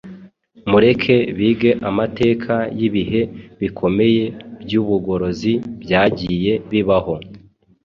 Mureke bige amateka y’ibihe bikomeye by’ubugorozi byagiye bibaho,